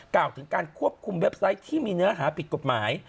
กล่าวถึงการควบคุมเว็บไซต์ที่มีเนื้อหาผิดกฎหมาย